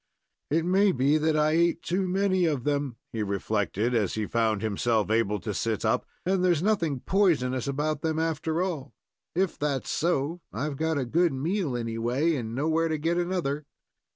"It may be that I ate too many of them," he reflected, as he found himself able to sit up, "and there's nothing poisonous about them, after all. If that's so, I've got a good meal, anyway, and know where to get another."